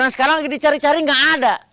sekarang lagi dicari cari nggak ada